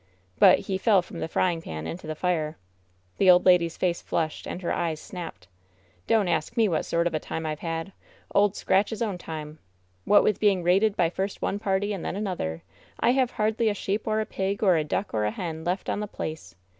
But he "fell from the frying pan into the fire." The old lady's face flushed, and her eyes snapped. ^Don't ask me what sort of a time I've had! Old Scratch's own time I What with being raided by first one party and then another, I have hardly a sheep or a pig or a duck or a hen left on the place.